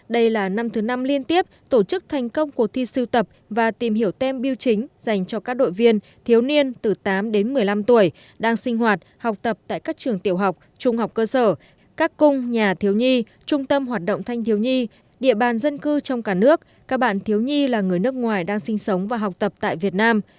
đây là năm thứ năm liên tiếp tổ chức thành công cuộc thi siêu tập và tìm hiểu tem bưu chính dành cho các đội viên thiếu niên từ tám đến một mươi năm tuổi đang sinh hoạt học tập tại các trường tiểu học trung học cơ sở các cung nhà thiếu nhi trung tâm hoạt động thanh thiếu nhi địa bàn dân cư trong cả nước các bạn thiếu nhi là người nước ngoài đang sinh sống và học tập tại việt nam